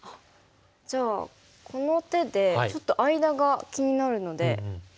じゃあこの手でちょっと間が気になるので入ってみます。